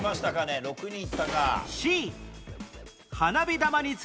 ６人いったか。